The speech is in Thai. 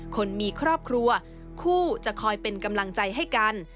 คนมีครอบครัวคู่จะคอยเป็นกำลังใจให้กัน